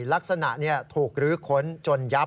ลักษณะถูกลื้อค้นจนยับ